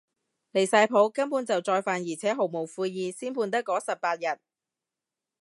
離晒譜，根本就再犯而且毫無悔意，先判得嗰十八日